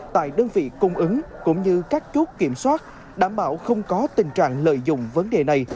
tại đơn vị cung ứng cũng như các chốt kiểm soát đảm bảo không có tình trạng lợi dụng vấn đề này